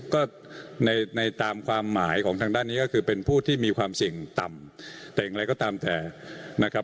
ก็ในในตามความหมายของทางด้านนี้ก็คือเป็นผู้ที่มีความเสี่ยงต่ำแต่อย่างไรก็ตามแต่นะครับ